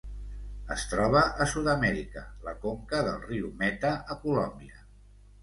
Es troba a Sud-amèrica: la conca del riu Meta a Colòmbia.